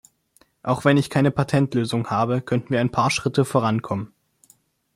Auch wenn ich keine Patentlösung habe, könnten wir ein paar Schritte vorankommen.